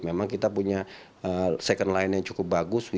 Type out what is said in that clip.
memang kita punya second line yang cukup bagus